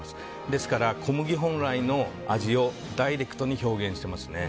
ですから小麦本来の味をダイレクトに表現しています。